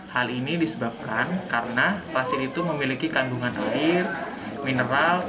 hal ini disebabkan karena pasir itu memiliki kandungan air mineral